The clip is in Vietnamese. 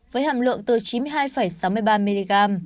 với hàm lượng từ chín mươi hai sáu mươi ba mg